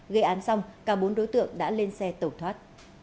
gây án xong cả bốn đối tượng đã lên xe tẩu thoát